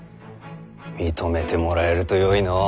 認めてもらえるとよいのう。